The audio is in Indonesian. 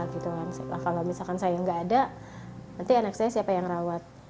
kalau misalkan saya nggak ada nanti anak saya siapa yang rawat